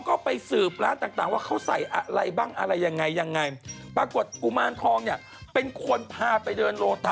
ถ้าฉันไม่ช่วงของร้านอีกร้านนึงนะโจ๊ะ